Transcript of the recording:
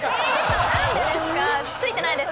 何でですか⁉ついてないです。